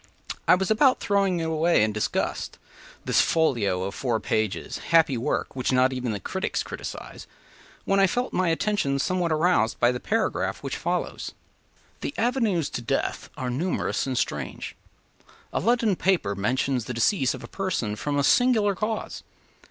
I was about throwing away, in disgust, “This folio of four pages, happy work Which not even critics criticise,” when I felt my attention somewhat aroused by the paragraph which follows: “The avenues to death are numerous and strange. A London paper mentions the decease of a person from a singular cause.